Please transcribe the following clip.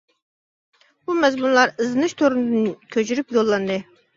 بۇ مەزمۇنلار ئىزدىنىش تورىدىن كۆرۈپ يوللاندى.